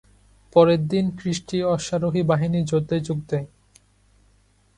পরের দিন খ্রীষ্টীয় অশ্বারোহী বাহিনী যুদ্ধে যোগ দেয়।